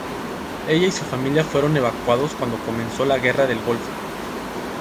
Ella y su familia fueron evacuados cuando comenzó la Guerra del Golfo.